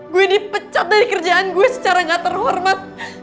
gue dipecat dari kerjaan gue secara gak terhormat